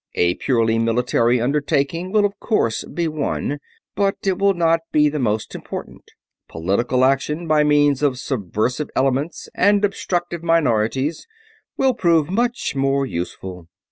A purely military undertaking will of course be one, but it will not be the most important. Political action, by means of subversive elements and obstructive minorities, will prove much more useful.